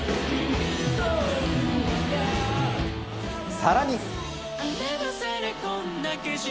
さらに。